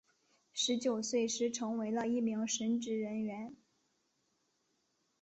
十九岁时成为了一名神职人员。